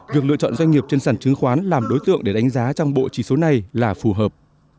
việc lựa chọn doanh nghiệp trên sản chứng khoán làm đối tượng để đánh giá trong bộ chỉ số này là phù hợp